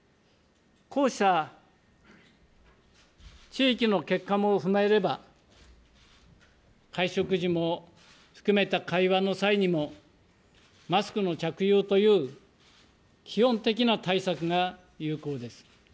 こうした地域の結果も踏まえれば、会食時も含めた会話の際にも、マスクの着用という基本的な対策が有効です。